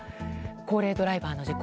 高齢ドライバーの事故